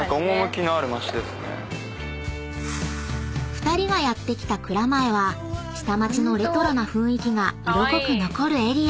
［２人がやって来た蔵前は下町のレトロな雰囲気が色濃く残るエリア］